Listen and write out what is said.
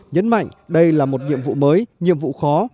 nhấn mạnh đây là một nhiệm vụ mới nhiệm vụ khó